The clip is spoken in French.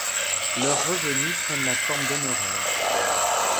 Leur revenus prennent la forme d'honoraires.